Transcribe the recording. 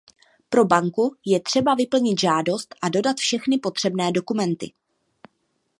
Pro banku je třeba vyplnit žádost a dodat všechny potřebné dokumenty.